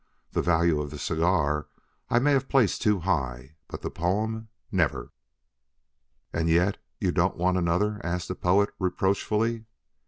The value of the cigar I may have placed too high, but the poem never." "And yet you don't want another?" asked the Poet, reproachfully.